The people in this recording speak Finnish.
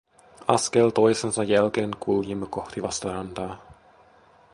Askel toisensa jälkeen kuljimme kohti vastarantaa.